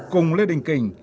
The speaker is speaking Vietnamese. cùng lê đình kình